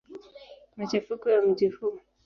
Machafuko ya mji huu.